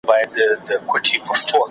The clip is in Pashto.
تاسي تل د خپلي روغتیا ډاکټر یاست.